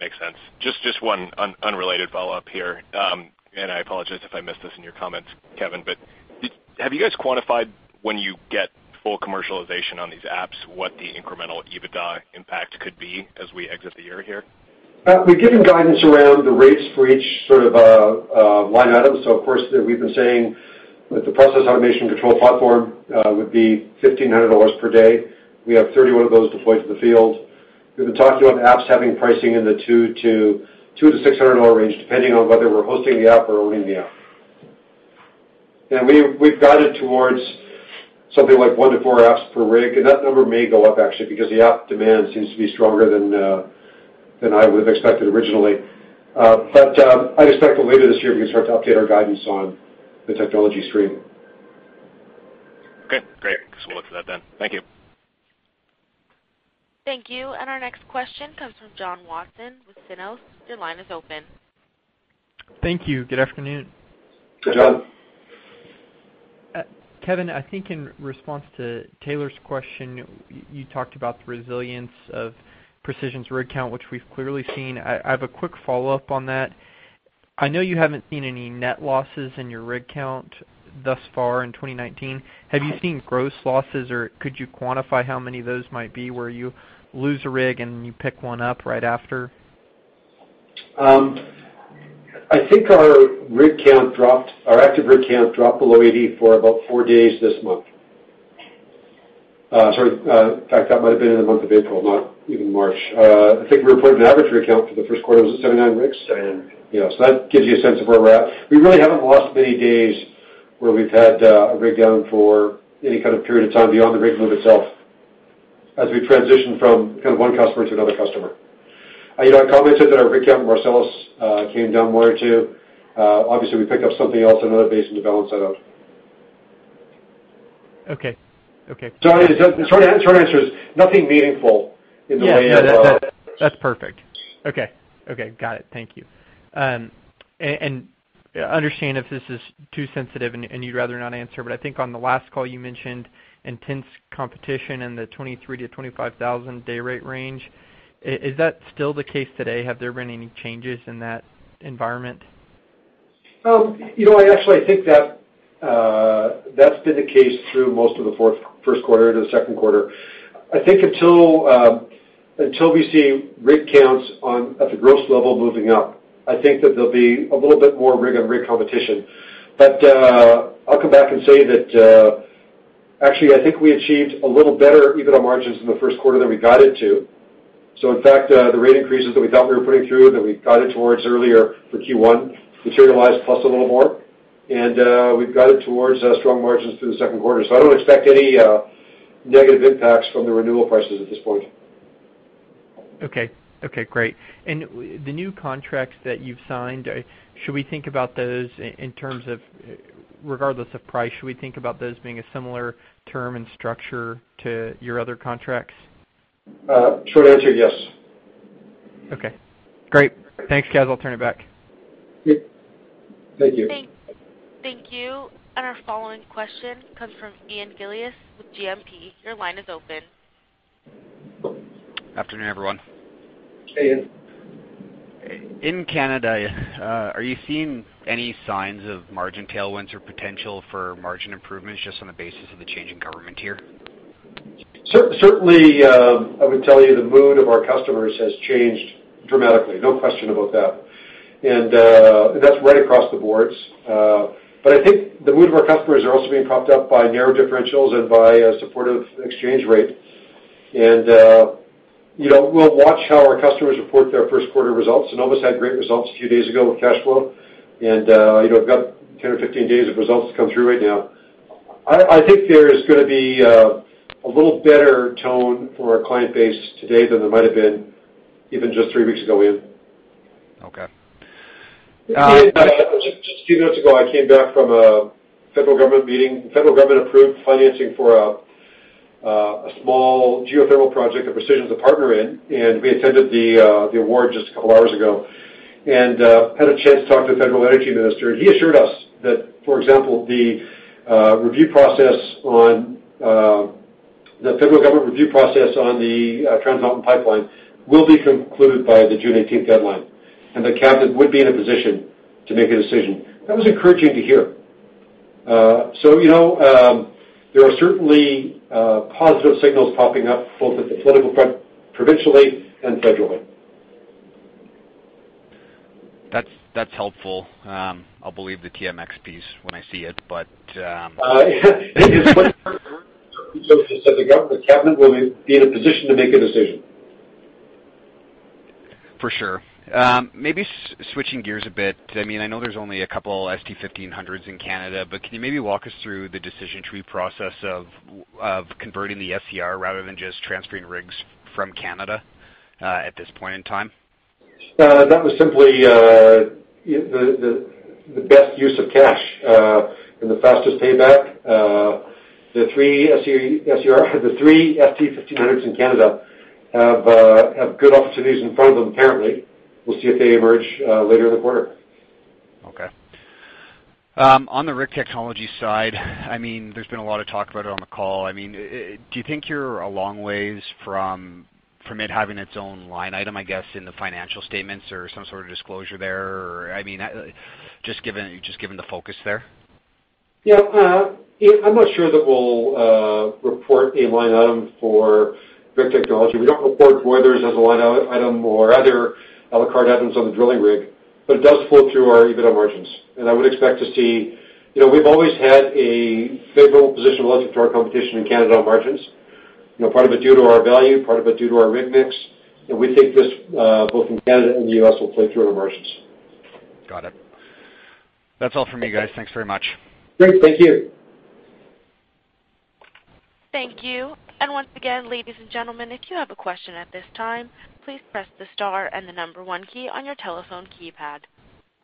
Makes sense. Just one unrelated follow-up here. I apologize if I missed this in your comments, Kevin, but have you guys quantified when you get full commercialization on these apps, what the incremental EBITDA impact could be as we exit the year here? We've given guidance around the rates for each sort of line item. Of course, we've been saying that the process automation control platform would be 1,500 dollars per day. We have 31 of those deployed to the field. We've been talking about apps having pricing in the 200-600 dollar range, depending on whether we're hosting the app or owning the app. We've guided towards something like one to four apps per rig, and that number may go up actually, because the app demand seems to be stronger than I would've expected originally. I'd expect that later this year, we can start to update our guidance on the technology stream. Okay, great. We'll look for that then. Thank you. Thank you. Our next question comes from John Watson with Simmons. Your line is open. Thank you. Good afternoon. Hey, John. Kevin, I think in response to Taylor's question, you talked about the resilience of Precision's rig count, which we've clearly seen. I have a quick follow-up on that. I know you haven't seen any net losses in your rig count thus far in 2019. Have you seen gross losses, or could you quantify how many of those might be where you lose a rig and you pick one up right after? I think our active rig count dropped below 80 for about four days this month. Sorry. In fact, that might have been in the month of April, not even March. I think we reported an average rig count for the first quarter. Was it 79 rigs? 79. That gives you a sense of where we're at. We really haven't lost many days where we've had a rig down for any kind of period of time beyond the rig move itself, as we transition from one customer to another customer. I commented that our rig count in Marcellus came down one or two. Obviously, we picked up something else in another basin to balance that out. Okay. The short answer is nothing meaningful in the way of- Yeah. No, that's perfect. Okay. Got it. Thank you. Understand if this is too sensitive and you'd rather not answer, but I think on the last call you mentioned intense competition in the 23,000-25,000 day rate range. Is that still the case today? Have there been any changes in that environment? I think that's been the case through most of the first quarter into the second quarter. I think until we see rig counts at the gross level moving up, I think that there'll be a little bit more rig competition. I'll come back and say that, actually, I think we achieved a little better EBITDA margins in the first quarter than we guided to. In fact, the rate increases that we thought we were putting through, that we guided towards earlier for Q1 materialized plus a little more, and we've guided towards strong margins through the second quarter. I don't expect any negative impacts from the renewal prices at this point. Okay, great. The new contracts that you've signed, should we think about those in terms of regardless of price, should we think about those being a similar term and structure to your other contracts? Short answer, yes. Okay, great. Thanks, guys. I'll turn it back. Yeah. Thank you. Thank you. Our following question comes from Ian Gillies with GMP. Your line is open. Afternoon, everyone. Hey, Ian. In Canada, are you seeing any signs of margin tailwinds or potential for margin improvements just on the basis of the change in government here? Certainly, I would tell you the mood of our customers has changed dramatically, no question about that. That's right across the boards. I think the mood of our customers are also being propped up by narrow differentials and by a supportive exchange rate. We'll watch how our customers report their first quarter results. Cenovus had great results a few days ago with cash flow, and we've got 10 or 15 days of results to come through right now. I think there is going to be a little better tone for our client base today than there might've been even just three weeks ago, Ian. Okay. Just a few minutes ago, I came back from a federal government meeting. The federal government approved financing for a small geothermal project that Precision's a partner in, and we attended the award just a couple of hours ago and had a chance to talk to the federal energy minister. He assured us that, for example, the federal government review process on the Trans Mountain Pipeline will be concluded by the June 18th deadline and that cabinet would be in a position to make a decision. That was encouraging to hear. There are certainly positive signals popping up both at the political front, provincially and federally. That's helpful. I'll believe the TMX piece when I see it. The cabinet will be in a position to make a decision. For sure. Maybe switching gears a bit. I know there's only a couple ST-1500s in Canada, can you maybe walk us through the decision tree process of converting the SCR rather than just transferring rigs from Canada at this point in time? That was simply the best use of cash and the fastest payback. The three ST-1500s in Canada have good opportunities in front of them, apparently. We'll see if they emerge later in the quarter. Okay. On the rig technology side, there's been a lot of talk about it on the call. Do you think you're a long ways from it having its own line item, I guess, in the financial statements or some sort of disclosure there, just given the focus there? Yeah. Ian, I'm not sure that we'll report a line item for rig technology. We don't report BOPs as a line item or other a la carte items on the drilling rig, but it does flow through our EBITDA margins. I would expect to see. We've always had a favorable position relative to our competition in Canada on margins, part of it due to our value, part of it due to our rig mix. We think this, both in Canada and the U.S., will play through on the margins. Got it. That's all for me, guys. Thanks very much. Great. Thank you. Thank you. Once again, ladies and gentlemen, if you have a question at this time, please press the star and the number 1 key on your telephone keypad.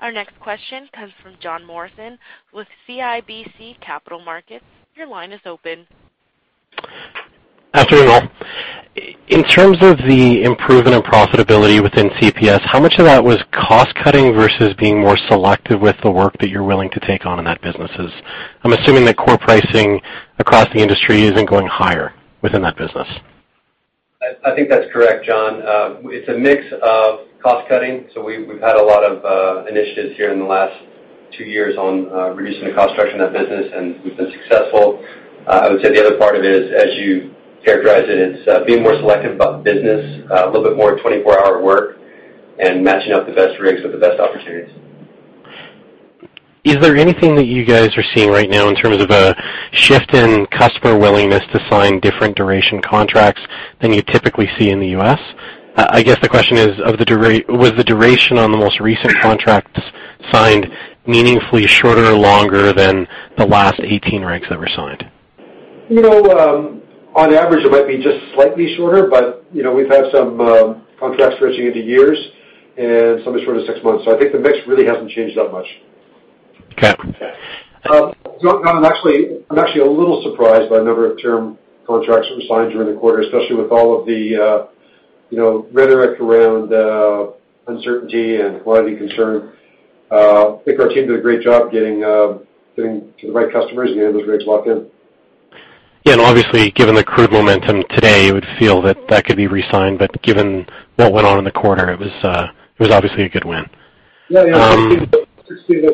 Our next question comes from John Morrison with CIBC Capital Markets. Your line is open. Afternoon, all. In terms of the improvement in profitability within CPS, how much of that was cost-cutting versus being more selective with the work that you're willing to take on in that business? I'm assuming that core pricing across the industry isn't going higher within that business. I think that's correct, John. It's a mix of cost-cutting. We've had a lot of initiatives here in the last two years on reducing the cost structure in that business, and we've been successful. I would say the other part of it is, as you characterize it's being more selective about the business, a little bit more 24-hour work, and matching up the best rigs with the best opportunities. Is there anything that you guys are seeing right now in terms of a shift in customer willingness to sign different duration contracts than you typically see in the U.S.? I guess the question is, was the duration on the most recent contracts signed meaningfully shorter or longer than the last 18 rigs that were signed? On average, it might be just slightly shorter. We've had some contracts stretching into years, and some are shorter than six months. I think the mix really hasn't changed that much. Okay. John, I'm actually a little surprised by the number of term contracts that were signed during the quarter, especially with all of the rhetoric around uncertainty and commodity concern. I think our team did a great job getting to the right customers and getting those rigs locked in. Yeah, obviously, given the crude momentum today, you would feel that that could be resigned. Given what went on in the quarter, it was obviously a good win. Yeah. Those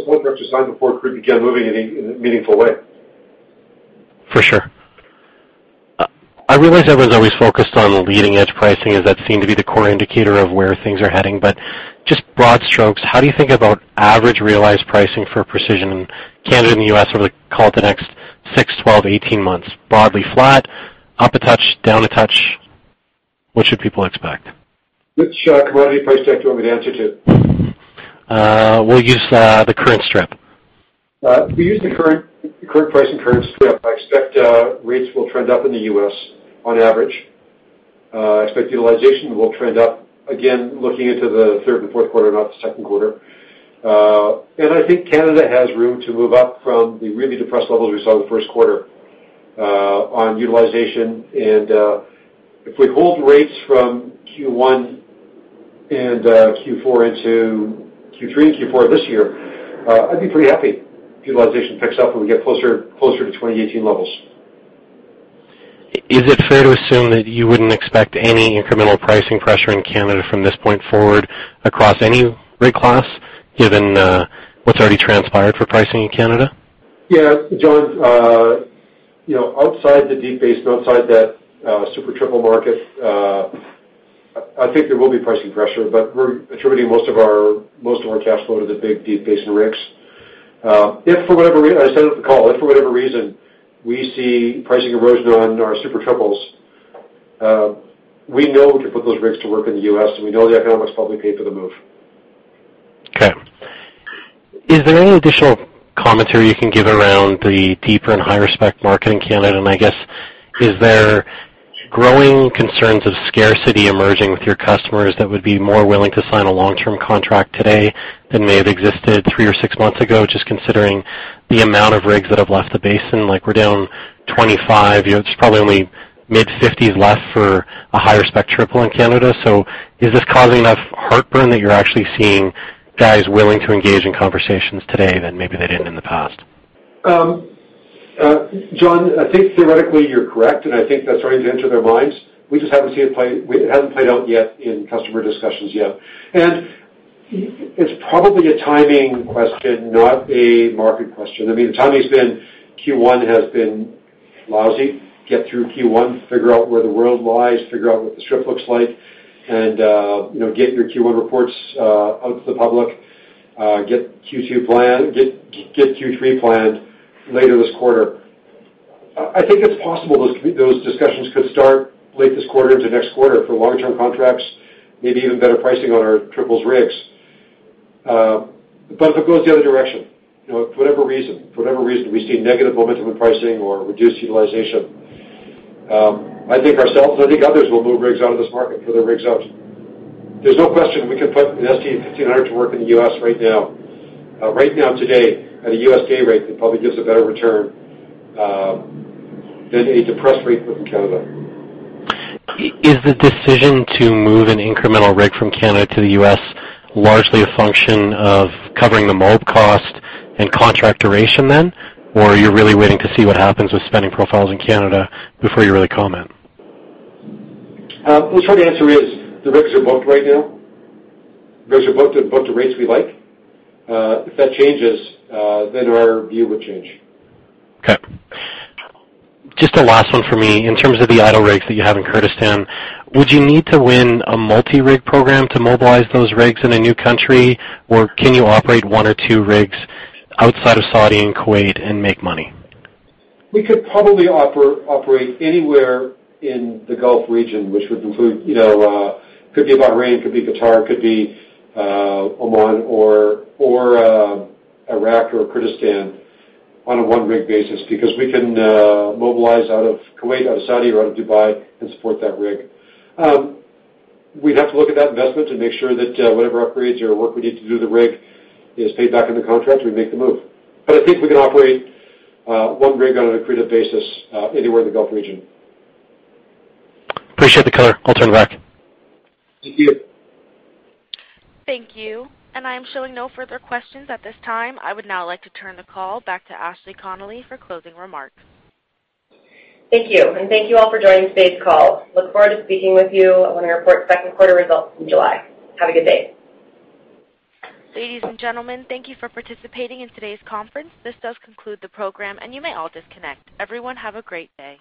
contracts were signed before crude began moving in a meaningful way. For sure. I realize everyone's always focused on leading-edge pricing, as that seemed to be the core indicator of where things are heading. Just broad strokes, how do you think about average realized pricing for Precision Drilling in Canada and the U.S. over the call to the next 6, 12, 18 months? Broadly flat, up a touch, down a touch? What should people expect? Which commodity price deck do you want me to answer to? We'll use the current strip. If we use the current price and current strip, I expect rates will trend up in the U.S. on average. I expect utilization will trend up, again, looking into the third and fourth quarter, not the second quarter. I think Canada has room to move up from the really depressed levels we saw in the first quarter on utilization. If we hold rates from Q1 and Q4 into Q3 and Q4 this year, I'd be pretty happy if utilization picks up and we get closer to 2018 levels. Is it fair to assume that you wouldn't expect any incremental pricing pressure in Canada from this point forward across any rig class, given what's already transpired for pricing in Canada? Yeah. John, outside the deep basin, outside that Super Triple market, I think there will be pricing pressure. We're attributing most of our cash flow to the big deep basin rigs. I said it on the call, if for whatever reason we see pricing erosion on our Super Triples, we know we can put those rigs to work in the U.S. We know the economics probably pay for the move. Okay. Is there any additional commentary you can give around the deeper and higher-spec market in Canada? I guess, is there growing concerns of scarcity emerging with your customers that would be more willing to sign a long-term contract today than may have existed 3 or 6 months ago, just considering the amount of rigs that have left the basin? We're down 25. There's probably only mid-50s left for a higher-spec triple in Canada. Is this causing enough heartburn that you're actually seeing guys willing to engage in conversations today that maybe they didn't in the past? John, I think theoretically you're correct. I think that's starting to enter their minds. It hasn't played out yet in customer discussions yet. It's probably a timing question, not a market question. The timing's been Q1 has been lousy. Get through Q1, figure out where the world lies, figure out what the strip looks like. Get your Q1 reports out to the public. Get Q3 planned later this quarter. I think it's possible those discussions could start late this quarter into next quarter for long-term contracts, maybe even better pricing on our triples rigs. If it goes the other direction, for whatever reason we see negative momentum in pricing or reduced utilization, I think ourselves and I think others will move rigs out of this market, pull their rigs out. There's no question we can put an ST-1500 to work in the U.S. right now. Right now today at a U.S. day rate that probably gives a better return than a depressed rate from Canada. Is the decision to move an incremental rig from Canada to the U.S. largely a function of covering the mob cost and contract duration? Are you really waiting to see what happens with spending profiles in Canada before you really comment? Well, the short answer is the rigs are booked right now. The rigs are booked at rates we like. If that changes, then our view would change. Okay. Just a last one for me. In terms of the idle rigs that you have in Kurdistan, would you need to win a multi-rig program to mobilize those rigs in a new country? Can you operate one or two rigs outside of Saudi and Kuwait and make money? We could probably operate anywhere in the Gulf region, which could be Bahrain, could be Qatar, could be Oman, or Iraq, or Kurdistan on a one-rig basis, because we can mobilize out of Kuwait, out of Saudi, or out of Dubai and support that rig. We'd have to look at that investment to make sure that whatever upgrades or work we need to do to the rig is paid back in the contract, we make the move. I think we can operate one rig on an accretive basis anywhere in the Gulf region. Appreciate the color. I'll turn it back. Thank you. Thank you. I am showing no further questions at this time. I would now like to turn the call back to Ashley Connolly for closing remarks. Thank you, and thank you all for joining today's call. Look forward to speaking with you when we report second quarter results in July. Have a good day. Ladies and gentlemen, thank you for participating in today's conference. This does conclude the program, and you may all disconnect. Everyone have a great day.